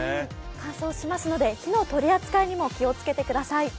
乾燥しますので火の取り扱いにも気をつけてください。